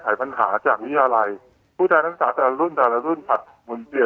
ก็มีอิจารณ์เรียกผู้แทนนักศึกษาเนี่ย